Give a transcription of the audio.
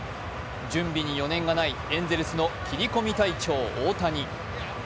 準備に余念がないエンゼルスの切り込み隊長・大谷。